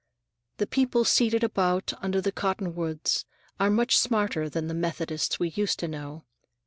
The people seated about under the cottonwoods are much smarter than the Methodists we used to know.